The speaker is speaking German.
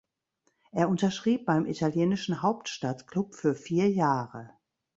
Er unterschrieb beim italienischen Hauptstadtclub für vier Jahre.